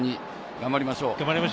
頑張りましょう。